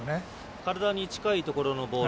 体に近いところのボール。